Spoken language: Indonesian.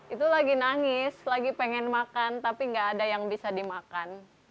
itu lagi nangis lagi pengen makan tapi gak ada yang bisa dimakan